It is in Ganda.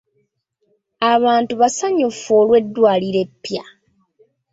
Abantu basanyufu olw'eddwaliro eppya.